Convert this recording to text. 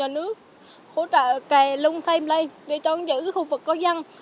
nước hỗ trợ kè lung thêm lây để cho giữ khu vực có văn